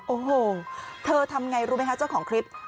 โอ้โหเธอทำอย่างไรรู้ไหมครับเจ้าของคลิป